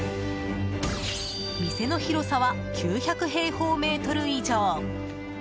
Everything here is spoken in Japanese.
店の広さは９００平方メートル以上。